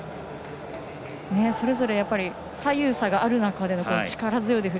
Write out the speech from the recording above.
それぞれ左右差がある中での力強い腕振り。